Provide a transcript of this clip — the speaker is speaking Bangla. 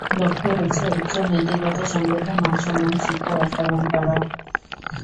লক্ষ্য হচ্ছে-উচ্চ নৈতিকতা সমৃদ্ধ মানসম্মত শিক্ষা বাস্তবায়ন করা।